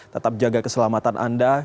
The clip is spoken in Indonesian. tetap jaga keselamatan anda